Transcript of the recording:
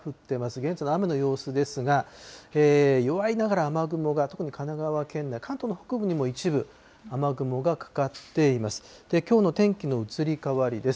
現在の雨の様子ですが、弱いながら、雨雲が、特に神奈川県内、関東の北部にも一部、雨雲がかかっています。